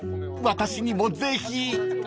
私にもぜひ！］